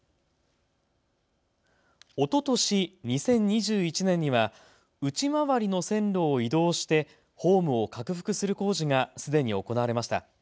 おととし・２０２１年には内回りの線路を移動してホームを拡幅する工事がすでに行われました。